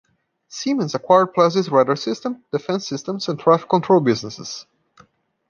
Siemens acquired Plessey's radar systems, defence systems and traffic control businesses.